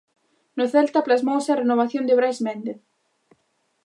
No Celta plasmouse a renovación de Brais Méndez.